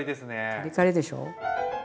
カリカリでしょう？